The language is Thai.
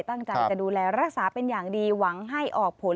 ตั้งใจจะดูแลรักษาเป็นอย่างดีหวังให้ออกผล